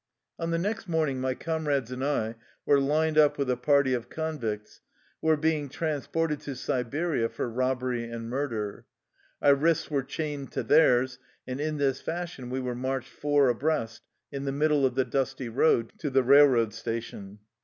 On the next morning my comrades and I were lined up with a party of convicts who were be ing transported to Siberia for robbery and mur der. Our wrists were chained to theirs, and in this fashion we were marched four abreast, in the middle of the dusty road, to the railroad sta tion.